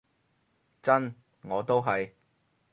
真，我都係